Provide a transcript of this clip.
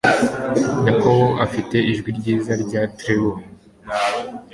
Yakobo afite ijwi ryiza rya treble